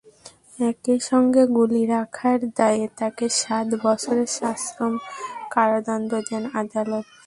একই সঙ্গে গুলি রাখার দায়ে তাঁকে সাত বছরের সশ্রম কারাদণ্ড দেন আদালত।